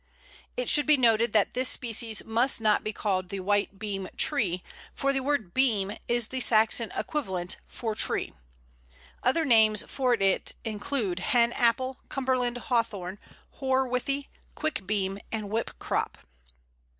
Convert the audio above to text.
It should be noted that this species must not be called the White Beam tree, for the word beam is the Saxon equivalent for tree. Other names for it include Hen apple, Cumberland Hawthorn, Hoar Withy, Quick Beam, and Whipcrop.